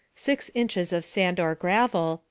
6 inches of sand or gravel .